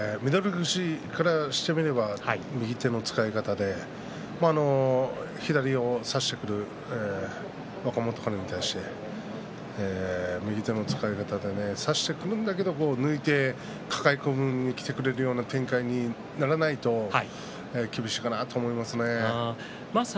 富士からしてみれば右手の使い方で左を差してくる若元春に対して右手の使い方で差してくるんだけど、抜いて抱え込みにきてくれる展開にならないと厳しいかなと思いますね。